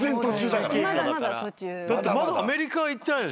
だってまだアメリカ行ってないでしょ。